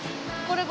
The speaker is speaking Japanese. これ。